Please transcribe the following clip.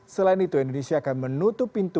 selain itu indonesia akan menutup pintu